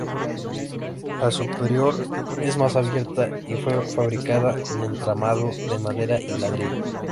La superior es más abierta, y fue fabricada con entramado de madera y ladrillo.